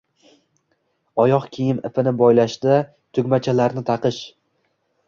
oyoq kiyim ipini boylashda, tugmachalarni taqish